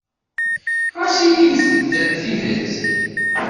Ɣas inimt-d tidet.